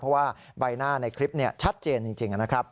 เพราะว่าใบหน้าในคลิปชัดเจนจริงนะครับ